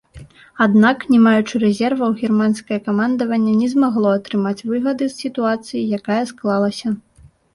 Аднак, не маючы рэзерваў, германскае камандаванне не змагло атрымаць выгады з сітуацыі, якая склалася.